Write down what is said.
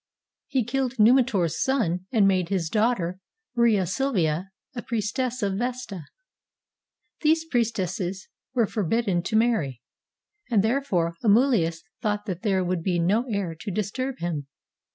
He kiJled Numitor's son and made his daughter, Rhea Sylvia, a priestess of Vesta. These priestesses were forbidden to marry, and therefore Amulius thought that there would be no heir to disturb him.